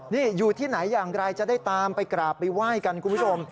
นี่อยู่ที่ไหนอย่างไรจะได้ตามไปกราบไปไหว้กันคุณผู้ชม